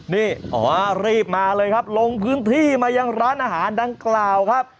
นี่อ๋อรีบมาเลยครับลงพื้นที่มายังร้านอาหารดังกล่าวครับ